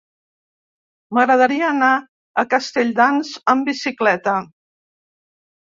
M'agradaria anar a Castelldans amb bicicleta.